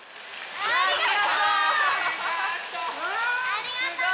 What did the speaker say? ありがとう！